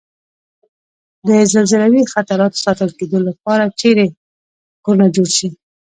د زلزلوي خطراتو ساتل کېدو لپاره چېرې کورنه جوړ شي؟